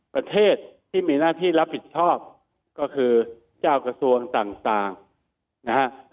ประเทศที่มีหน้าที่รับผิดชอบก็คือเจ้ากระทรวงต่างนะฮะ